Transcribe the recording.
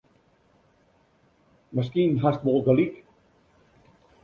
Miskien hast wol gelyk.